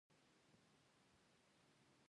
او د پښتون کلتور، سياست، نظرياتي پس منظر